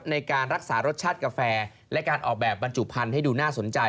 ในการรักษารสชาติกาแฟและการออกแบบบรรจุพันธุ์ให้ดูน่าสนใจ